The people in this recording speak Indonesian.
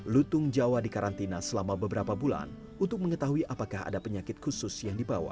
lutung jawa dikarantina selama beberapa bulan untuk mengetahui apakah ada penyakit khusus yang dibawa